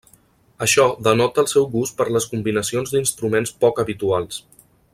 Això denota el seu gust per les combinacions d'instruments poc habituals.